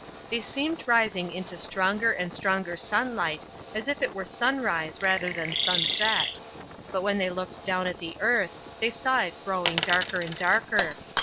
They seemed rising into stronger and stronger sunlight, as if it were sunrise rather than sunset. But when they looked down at the earth they saw it growing darker and darker.